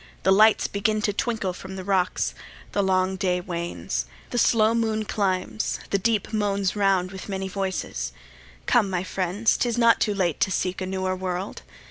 The lights begin to twinkle from the rocks: The long day wanes: the slow moon climbs: the deep Moans round with many voices. Come, my friends, 'T is not too late to seek a newer world.